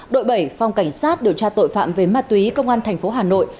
đội bảy phòng cảnh sát điều tra tội phạm về ma túy công an thành phố hà nội